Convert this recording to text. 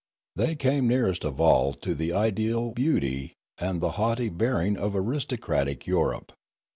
They came nearest of all to the ideal beauty and the haughty bearing of aristocratic Europe.